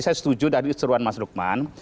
saya setuju dari seruan mas lukman